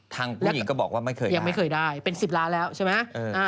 ทางผู้หญิงก็บอกว่าไม่เคยได้เป็น๑๐ล้าแล้วใช่ไหมเออ